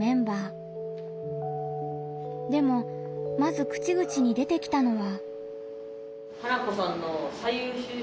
でもまず口々に出てきたのは。